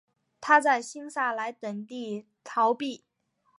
他在新萨莱等地铸币。